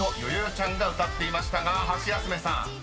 ちゃんが歌っていましたがハシヤスメさん］